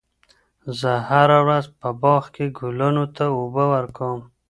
زه هره ورځ په باغ کې ګلانو ته اوبه ورکوم.